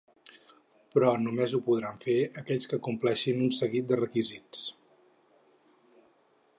Però només ho podran fer aquells que compleixin un seguit de requisits.